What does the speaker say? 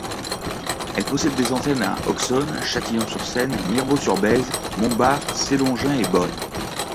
Elle possède des antennes à Auxonne, Châtillon-sur-Seine, Mirebeau-sur-Bèze, Montbard, Selongey et Beaune.